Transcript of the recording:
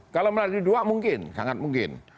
kalau melalui dua mungkin sangat mungkin